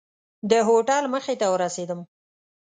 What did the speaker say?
د هوټل مخې ته ورسېدم.